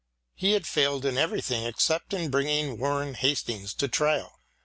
He had failed in everything except in bringing Warren Hastings to trial.